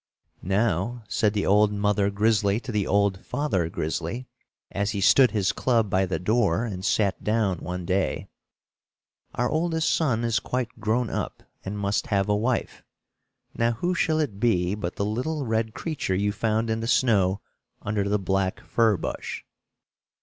"Now," said the old mother Grizzly to the old father Grizzly, as he stood his club by the door and sat down one day, "our oldest son is quite grown up and must have a wife. Now, who shall it be but the little red creature you found in the snow under the black fir bush."